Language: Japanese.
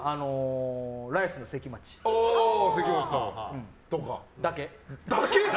ライスの関町。だけ。